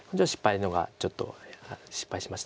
ちょっと失敗しました。